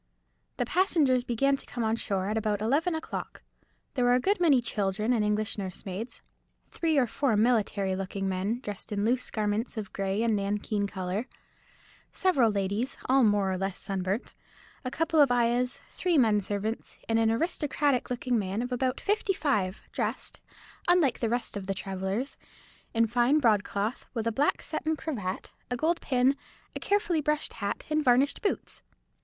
The passengers began to come on shore at about eleven o'clock. There were a good many children and English nursemaids; three or four military looking men, dressed in loose garments of grey and nankeen colour; several ladies, all more or less sunburnt; a couple of ayahs; three men servants; and an aristocratic looking man of about fifty five, dressed, unlike the rest of the travellers, in fine broadcloth, with a black satin cravat, a gold pin, a carefully brushed hat, and varnished boots.